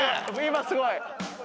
今すごい！